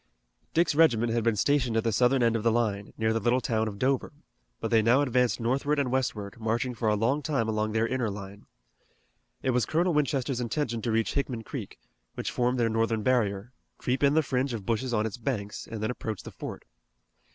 Dick's regiment had been stationed at the southern end of the line, near the little town of Dover, but they now advanced northward and westward, marching for a long time along their inner line. It was Colonel Winchester's intention to reach Hickman Creek, which formed their northern barrier, creep in the fringe of bushes on its banks, and then approach the fort.